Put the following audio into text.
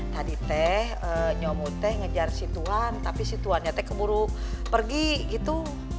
tadi nyomu ngejar si tuhan tapi si tuhan keburu pergi gitu